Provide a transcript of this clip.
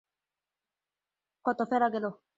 কত ফেলা গেল!